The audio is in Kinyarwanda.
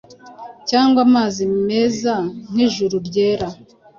cyangwa amazi meza nkijuru ryera